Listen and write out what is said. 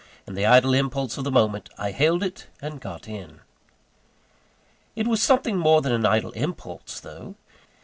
In the idle impulse of the moment, I hailed it, and got in. It was something more than an idle impulse though.